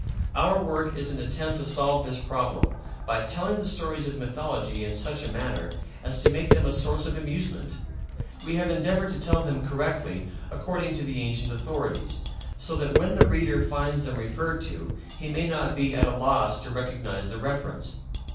Our work is an attempt to solve this problem, by telling the stories of mythology in such a manner as to make them a source of amusement. We have endeavored to tell them correctly, according to the ancient authorities, so that when the reader finds them referred to he may not be at a loss to recognize the reference.